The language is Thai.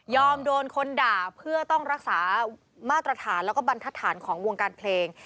โดนคนด่าเพื่อต้องรักษามาตรฐานแล้วก็บรรทัศนของวงการเพลง